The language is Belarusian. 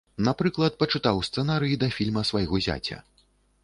Напрыклад, пачытаў сцэнарый да фільма свайго зяця.